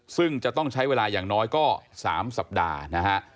ซึ่งจะต้องใช้เวลาอย่างน้อยก็๓สัปดาห์นะฮะ